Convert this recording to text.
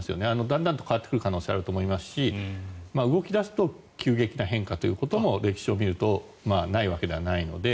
だんだんと変わってくる可能性はあると思いますし動き出すと急激な変化というのも歴史を見るとないわけではないので。